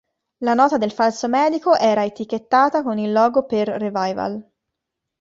La nota del falso medico era etichettata con il logo per "Revival".